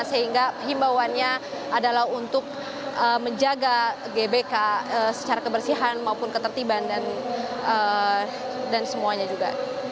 sehingga himbauannya adalah untuk menjaga gbk secara kebersihan maupun ketertiban dan semuanya juga